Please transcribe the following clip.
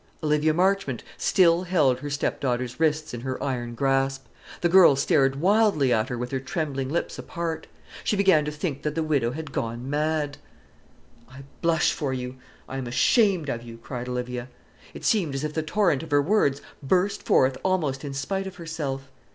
Olivia Marchmont still held her stepdaughter's wrists in her iron grasp. The girl stared wildly at her with her trembling lips apart. She began to think that the widow had gone mad. "I blush for you I am ashamed of you!" cried Olivia. It seemed as if the torrent of her words burst forth almost in spite of herself.